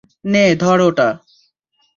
নে, ধর এটা।